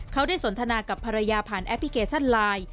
เขาได้สนทนากับภรรยาผ่านแอปพลิเคชันไลน์